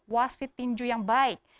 wasit tinju yang baik